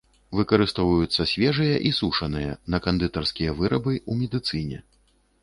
Выкарыстоўваюцца свежыя і сушаныя, на кандытарскія вырабы, у медыцыне.